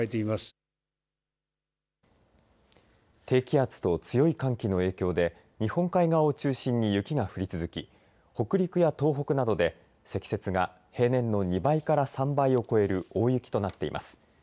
低気圧と強い寒気の影響で日本海側を中心に雪が降り続き北陸や東北などで積雪が平年の２倍から３倍を超える大雪となっています。